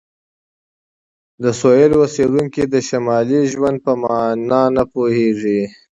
د سویل اوسیدونکي د شمالي ژوند په معنی نه پوهیږي